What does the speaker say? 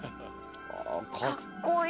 かっこいい。